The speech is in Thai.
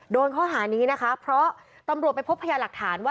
โดนข้อหานี้นะคะเพราะตำรวจไปพบพยาหลักฐานว่า